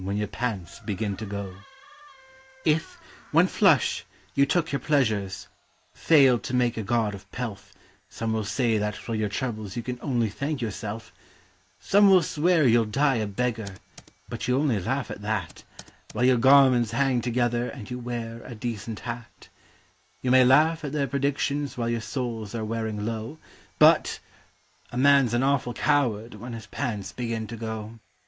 WHEN YOUR PANTS BEGIN TO GO 67 If, when flush, you took your pleasure failed to make a god of Pelf Some will say that for your troubles you can only thank yourself ; Some will swear you'll die a beggar, but you only laugh at that While your garments hang together and you wear a decent hat ; You may laugh at their predictions while your soles are wearing through But a man's an awful coward when his pants are going too